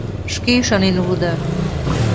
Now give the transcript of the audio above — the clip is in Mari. Шке ӱшанен улыда.